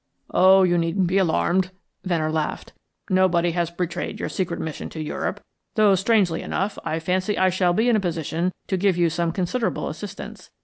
"Oh, you needn't be alarmed," Venner laughed. "Nobody has betrayed your secret mission to Europe, though, strangely enough, I fancy I shall be in a position to give you some considerable assistance.